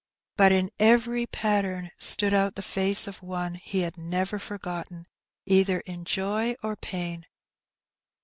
But in every pattern stood out the face of one he had never forgotten either in joy or pain.